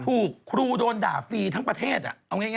ถูกครูโดนด่าฟรีทั้งประเทศเอาง่าย